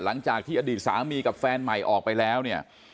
หลังจากที่อดีตสามีกับแฟนใหม่ออกไปแล้วเนี่ย